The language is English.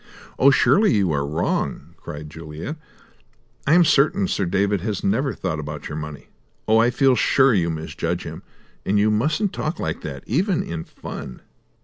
"Oh, surely you are wrong," cried Juliet. "I am certain Sir David has never thought about your money. Oh, I feel sure you misjudge him; and you mustn't talk like that, even in fun!"